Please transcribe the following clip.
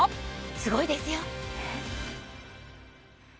すごいですよ